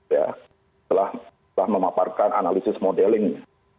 ya telah memaparkan analisis modelingnya